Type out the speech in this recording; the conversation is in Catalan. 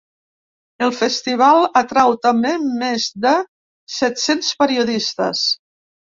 El festival atrau també més de set-cents periodistes.